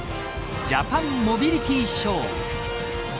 ジャパンモビリティショー。